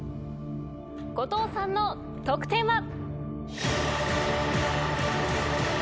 後藤さんの得点は。